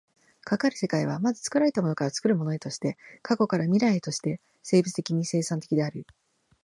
かかる世界は、まず作られたものから作るものへとして、過去から未来へとして生物的に生産的である。